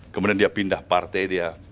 kemudian dia pindah partai dia